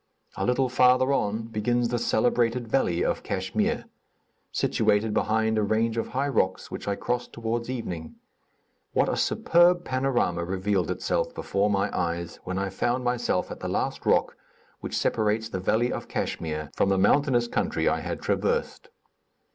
A little farther on begins the celebrated valley of Kachmyr, situated behind a range of high rocks which I crossed toward evening. What a superb panorama revealed itself before my eyes, when I found myself at the last rock which separates the valley of Kachmyr from the mountainous country I had traversed.